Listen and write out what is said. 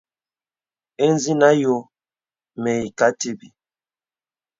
Ìzìnə àyɔ̄ mə ìkà tìbì.